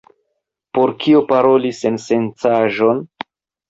Por kio paroli sensencaĵon?